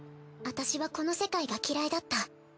私はこの世界が嫌いだった。